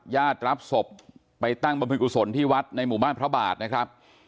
ญาติรับศพไปตั้งบรรพิกุศลที่วัดในหมู่บ้านพระบาทนะครับ